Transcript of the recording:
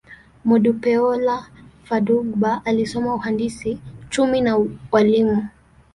Modupeola Fadugba alisoma uhandisi, uchumi, na ualimu.